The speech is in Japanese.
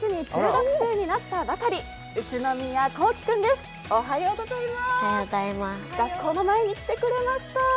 学校の前に来てくれました。